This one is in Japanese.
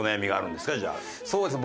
そうですね